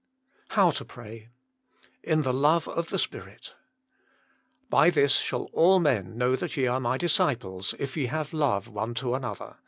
7iow TO PEAY. lit tlje ICobe of tlje Spirit " By this shall all mon know that ye are My disciples, if ye have love one to another."